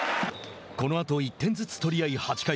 このあと１点ずつ取り合い８回。